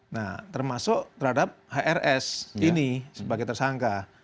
nah termasuk terhadap hrs ini sebagai tersangka